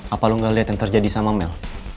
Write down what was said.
apa lo gak liat yang terjadi sama mel